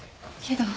けど。